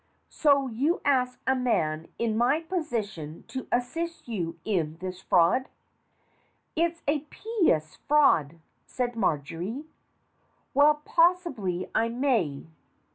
"So you ask a man in my position to assist you in this fraud?" "It's a pious fraud," said Marjory. "Well, possibly I may.